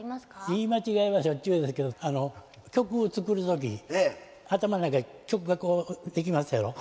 言い間違いはしょっちゅうですけど曲作る時頭の中で曲がこう出来ますやろ。